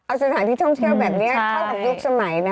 เอาสถานที่ท่องเที่ยวแบบนี้เข้ากับยุคสมัยนะ